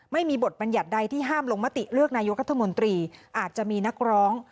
ไม่มีบทบัญญัติใดที่ห้ามลงมติเลือกนายกรัฐมนตรีอาจจะมีนักร้อง